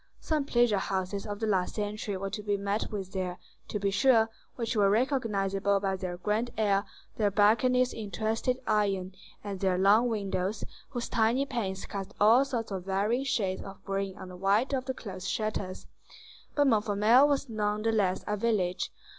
Some pleasure houses of the last century were to be met with there, to be sure, which were recognizable by their grand air, their balconies in twisted iron, and their long windows, whose tiny panes cast all sorts of varying shades of green on the white of the closed shutters; but Montfermeil was nonetheless a village.